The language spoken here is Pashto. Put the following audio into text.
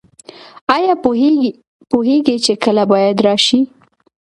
ایا پوهیږئ چې کله باید راشئ؟